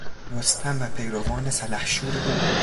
رستم و پیروان سلحشور او